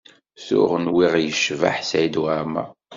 Tuɣ nwiɣ yecbeḥ Saɛid Waɛmaṛ.